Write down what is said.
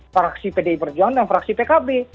fraksi pdi perjuangan dan fraksi pkb